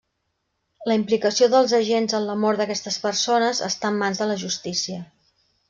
La implicació dels agents en la mort d'aquestes persones està en mans de la justícia.